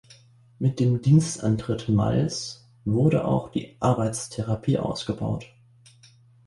Mit dem Dienstantritt Malls wurde auch die Arbeitstherapie ausgebaut.